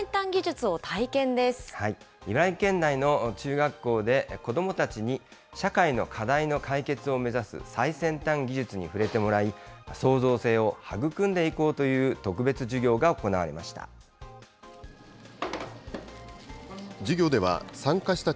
茨城県内の中学校で子どもたちに社会の課題の解決を目指す最先端技術に触れてもらい、創造性を育んでいこうという特別授業が行われました。